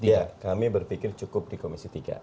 ya kami berpikir cukup di komisi tiga